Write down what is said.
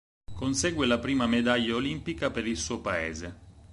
Consegue la prima medaglia olimpica per il suo paese.